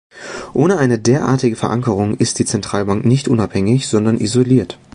Ohne eine derartige Verankerung ist die Zentralbank nicht unabhängig, sondern isoliert.